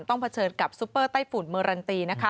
เผชิญกับซุปเปอร์ไต้ฝุ่นเมอรันตีนะคะ